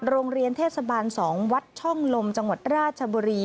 โรงเรียนเทศบาล๒วัดช่องลมจังหวัดราชบุรี